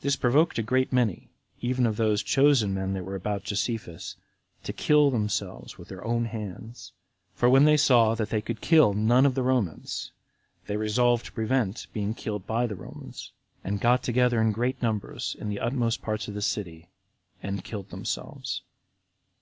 This provoked a great many, even of those chosen men that were about Josephus, to kill themselves with their own hands; for when they saw that they could kill none of the Romans, they resolved to prevent being killed by the Romans, and got together in great numbers in the utmost parts of the city, and killed themselves.